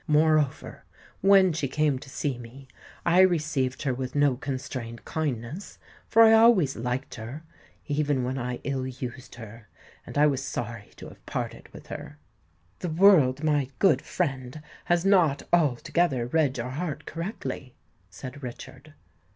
Moreover, when she came to see me, I received her with no constrained kindness; for I always liked her—even when I ill used her;—and I was sorry to have parted with her." "The world, my good friend, has not altogether read your heart correctly," said Richard.